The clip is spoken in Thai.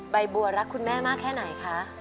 ใบบัวรักคุณแม่มากแค่ไหนคะ